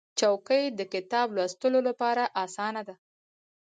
چوکۍ د کتاب لوستلو لپاره اسانه ده.